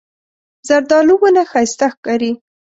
زردالو ونه ښایسته ښکاري.